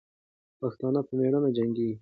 پښتانه په میړانې جنګېږي.